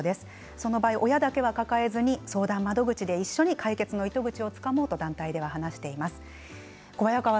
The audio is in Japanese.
そういう場合、相談窓口で一緒に解決の糸口をつかもうと、団体では話しています。